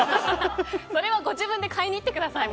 それはご自分で買いに行ってください。